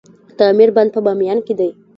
د امیر بند په بامیان کې دی